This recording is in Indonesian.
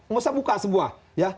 sekarang kata di m a